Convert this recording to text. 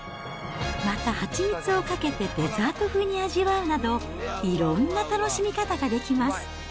また蜂蜜をかけてデザート風に味わうなど、いろんな楽しみ方ができます。